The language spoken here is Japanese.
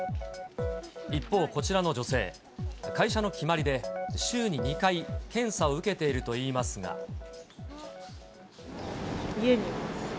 一方、こちらの女性、会社の決まりで、週に２回、検査を受けてい家にいます。